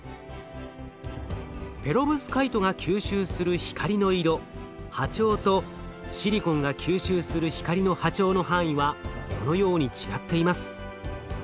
ペロブスカイトが吸収する光の色波長とシリコンが吸収する光の波長の範囲はこのように違っています。